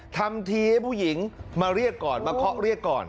ทำทีให้ผู้หญิงมาเคาะเรียกก่อน